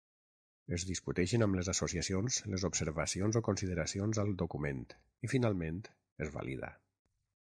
Es discuteixen amb les associacions les observacions o consideracions al document i finalment es valida.